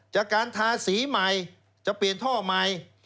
จากการทาสีใหม่จะเปลี่ยนท่อใหม่